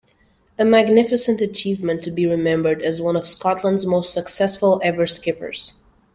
A magnificent achievement to be remembered as one of Scotland's most successful ever skippers.